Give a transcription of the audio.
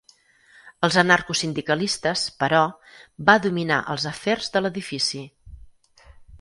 Els anarcosindicalistes, però, va dominar els afers de l'edifici.